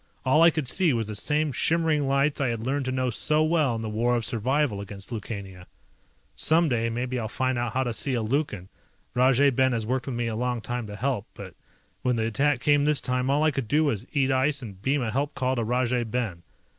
All I could see was the same shimmering lights I had learned to know so well in the War of Survival against Lukania. Someday maybe I'll find out how to see a Lukan, Rajay Ben has worked with me a long time to help, but when the attack came this time all I could do was eat ice and beam a help call to Rajay Ben.